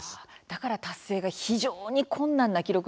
だから達成が非常に困難な記録なんですね